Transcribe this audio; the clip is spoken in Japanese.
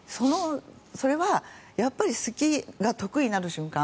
それは好きが得意になる瞬間。